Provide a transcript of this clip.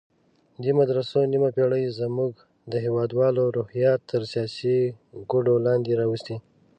دې مدرسو نیمه پېړۍ زموږ د هېوادوالو روحیات تر سیاسي کوډو لاندې راوستي.